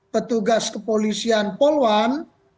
petugas kepolisian polwan